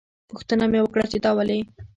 پوښتنه مې وکړه چې دا ولې.